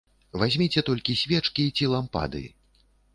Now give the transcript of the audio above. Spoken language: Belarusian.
Вазьміце толькі свечкі ці лампады.